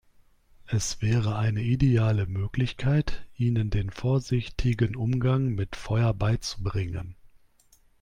Es wäre eine ideale Möglichkeit, ihnen den vorsichtigen Umgang mit Feuer beizubringen.